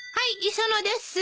磯野です。